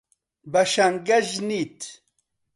بە شەنگەژنیت